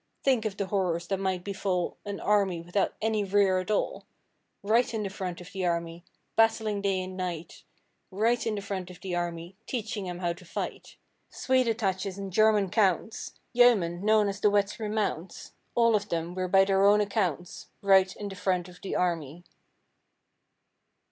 Think of the horrors that might befall An army without any rear at all! Right in the front of the army, Battling day and night! Right in the front of the army, Teaching 'em how to fight! Swede attaches and German counts, Yeomen (known as De Wet's remounts), All of them were by their own accounts Right in the front of the army!